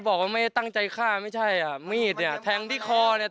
บอกว่าไม่ได้ตั้งใจฆ่าไม่ใช่อ่ะมีดเนี่ยแทงที่คอเนี่ย